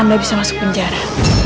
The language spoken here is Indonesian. anda bisa masuk penjara